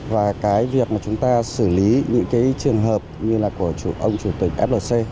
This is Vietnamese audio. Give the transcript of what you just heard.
và cái việc mà chúng ta xử lý những cái trường hợp như là của ông chủ tịch flc